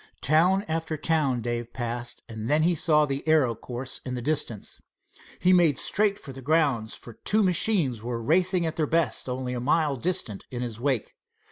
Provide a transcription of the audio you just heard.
Town after town Dave passed and then he saw the aero course in the distance. He made straight for the grounds, for two machines were racing at their best only a mile distance in his wake.